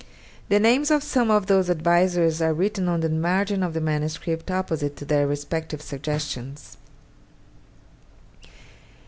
The names of some of those advisers are written on the margin of the manuscript opposite to their respective suggestions.